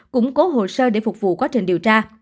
củng cố hồ sơ để phục vụ quá trình điều tra